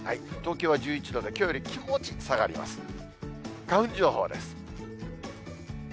東京は１１度で、きょうより気持ち下がります。